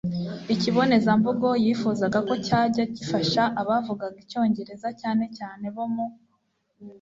ikibonezamvugo yifuzaga ko cyajya gifasha abavugaga icyongereza cyanecyane bo mu